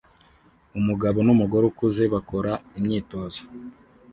Umugabo numugore ukuze bakora imyitozo